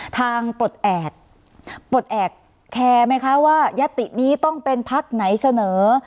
ปลดแอบปลดแอบแคร์ไหมคะว่ายัตตินี้ต้องเป็นพักไหนเสนอ